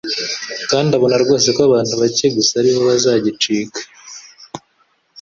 kandi abona rwose ko abantU bake gusa ari bo bazagicika.